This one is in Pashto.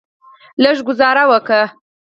لږه ګوزاره وکه.